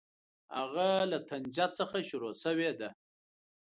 هغه له طنجه څخه شروع شوې ده.